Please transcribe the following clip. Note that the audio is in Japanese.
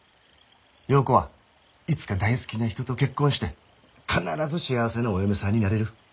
良子はいつか大好きな人と結婚して必ず幸せなお嫁さんになれる。